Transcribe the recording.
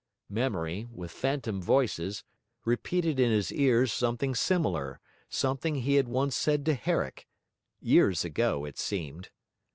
Memory, with phantom voices, repeated in his cars something similar, something he had once said to Herrick years ago it seemed.